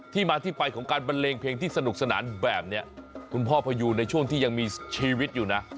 มาที่ไปของการบันเลงเพลงที่สนุกสนานแบบนี้คุณพ่อพยูนในช่วงที่ยังมีชีวิตอยู่นะ